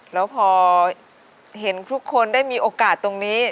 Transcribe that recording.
แล้วพอเห็นทุกคนได้มีโอกาสตรงนี้